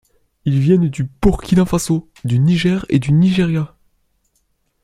Ils viennent du Burkina Faso, du Niger et du Nigéria.